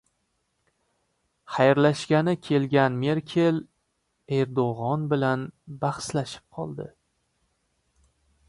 Xayrlashgani kelgan Merkel Erdo‘g‘an bilan bahslashib qoldi